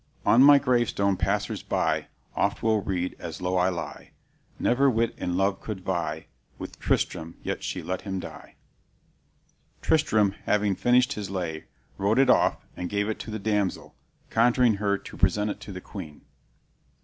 "On my gravestone passers by Oft will read, as low I lie, 'Never wight in love could vie With Tristram, yet she let him die.'" Tristram, having finished his lay, wrote it off and gave it to the damsel, conjuring her to present it to the queen.